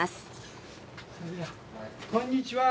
こんにちは！